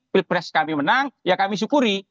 pilpres kami menang ya kami syukuri